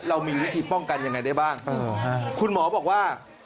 เรามีวิธีป้องกันยังไงได้บ้างคุณหมอบอกว่า